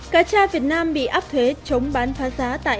cá tra việt nam bị áp thuế chống bán phá giá tại